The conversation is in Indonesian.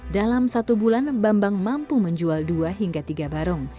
dalam satu bulan bambang mampu menjual dua hingga tiga barong